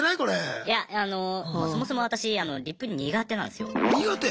いやあのそもそも私リプ苦手なんですよ。